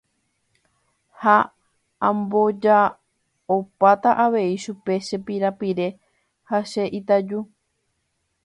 Ha amboja'opáta avei chupe che pirapire ha che itaju.